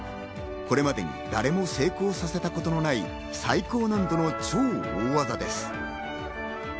これまでに誰も成功させたことのない最高難度の超大技です。